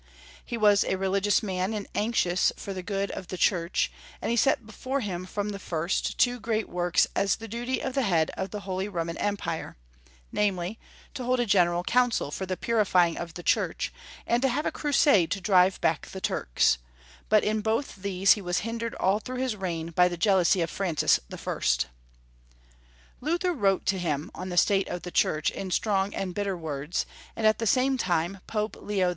He was a religious man, and anxious for the good of the Church, and he set before him from the first two great works as the duty of the head of the Holy Roman Empire — namely, to hold a general council for the purifying of the Church, and tD have a crusade to drive back the Turks ; but in both these he was hindered all through his reign by the jealously of Francis I. Luther wrote to him on the state of the Church in strong and bitter words, and at the same time Pope Leo X.